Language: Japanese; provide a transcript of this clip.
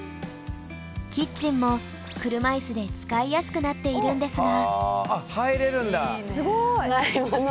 キッチンも車いすで使いやすくなっているんですが。